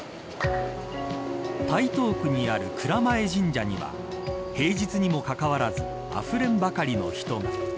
台東区にある蔵前神社には平日にもかかわらずあふれんばかりの人が。